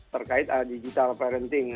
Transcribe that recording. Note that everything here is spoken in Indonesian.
terkait digital parenting